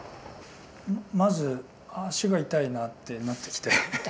まず足が痛いなってなってきて